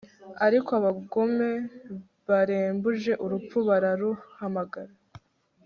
ariko abagome barembuje urupfu bararuhamagara